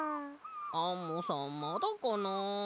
アンモさんまだかな。